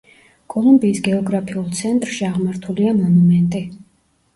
კოლუმბიის გეოგრაფიულ ცენტრში აღმართულია მონუმენტი.